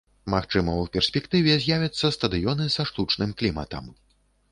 Магчыма, у перспектыве з'явяцца стадыёны са штучным кліматам.